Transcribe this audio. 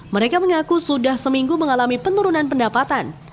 mereka mengaku sudah seminggu mengalami penurunan pendapatan